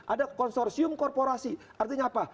ada konsorsium korporasi artinya apa